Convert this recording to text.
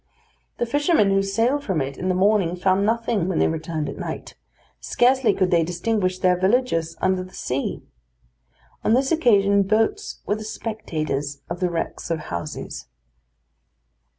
The fishermen who sailed from it in the morning, found nothing when they returned at night; scarcely could they distinguish their villages under the sea. On this occasion boats were the spectators of the wrecks of houses.